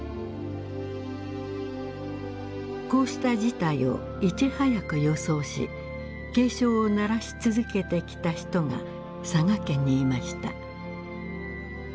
こうした事態をいち早く予想し警鐘を鳴らし続けてきた人が佐賀県にいました。